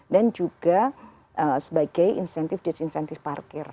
dan juga sebagai incentive disincentive parkir